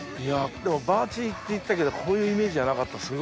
でもバーチーって言ってたけどこういうイメージじゃなかった。